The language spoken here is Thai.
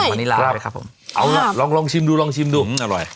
มะนิลาดอ่ะครับผมเอาลองลองชิมดูลองชิมดูอืมอร่อย